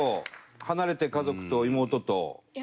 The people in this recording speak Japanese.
離れて家族と妹と。